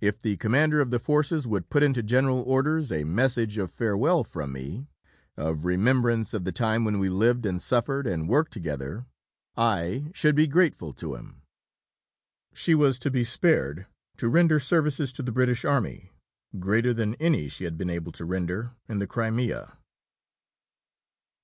If the Commander of the Forces would put into General Orders a message of farewell from me, of remembrance of the time when we lived and suffered and worked together, I should be grateful to him." She was to be spared to render services to the British Army greater than any she had been able to render in the Crimea.